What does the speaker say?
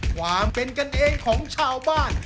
ความเป็นกันเองของชาวบ้าน